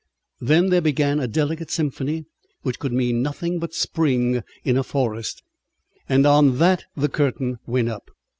Then there began a delicate symphony which could mean nothing but spring in a forest, and on that the curtain went up.